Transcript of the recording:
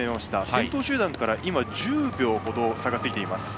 先頭集団から１０秒ほど差がついています。